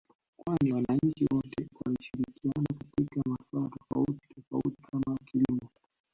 kwani wananchi wote walishirikiana katika masuala tofauti tofauti kama kilimo